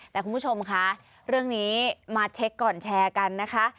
แต่คุณผู้ชมคะเรื่องนี้มาเช็คก่อนแชร์กันนะคะ